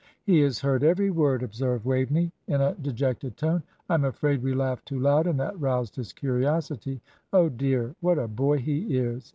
"He has heard every word," observed Waveney, in a dejected tone. "I am afraid we laughed too loud, and that roused his curiosity. Oh, dear, what a boy he is!